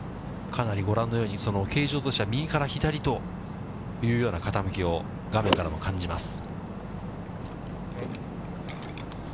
かなりご覧のように、形状としては右から左というような傾きを、画面からも感じます。